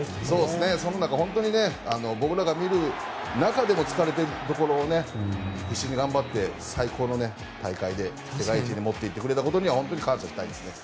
そんな中、本当に僕らが見る中でも疲れているところを必死に頑張って最高の大会で世界一に持っていってくれたことは持って行ってくれたことには本当に感謝したいですね。